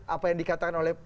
apa yang dikatakan oleh